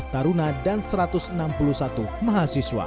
satu ratus sepuluh taruna dan satu ratus enam puluh satu mahasiswa s dua